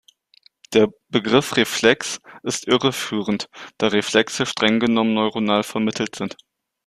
Der Begriff "Reflex" ist irreführend, da Reflexe strenggenommen neuronal vermittelt sind.